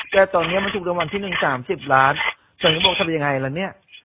แต่ตอนนี้มันถูกรางวัลที่หนึ่งสามสิบล้านฉันก็บอกทำยังไงล่ะเนี่ย